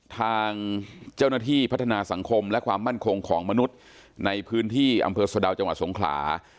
ทางเจ้าหน้าที่พัฒนาสังคมและความมั่นคงของมนุษย์ในพื้นที่อำเภอสะดาวจังหวัดสงขลา